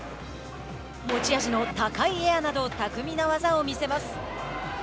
持ち味の高いエアなど巧みな技を見せます。